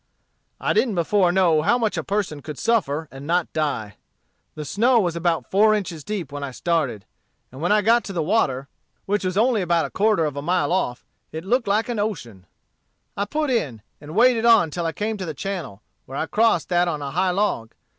"I didn't before know how much a person could suffer and not die. The snow was about four inches deep when I started. And when I got to the water, which was only about a quarter of a mile off, it looked like an ocean. I put in, and waded on till I came to the channel, where I crossed that on a high log.